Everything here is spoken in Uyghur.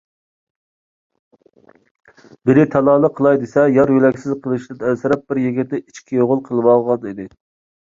مېنى تالالىق قىلاي دېسە، يار - يۆلەكسىز قېلىشىدىن ئەنسىرەپ، بىر يىگىتنى ئىچ كۈيئوغۇل قىلىۋالغانىدى.